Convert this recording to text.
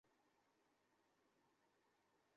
অধিক সৈন্য বলে তারা লড়ে যাচ্ছিল মাত্র।